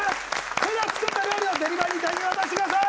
それでは作った料理をデリバリー隊に渡してください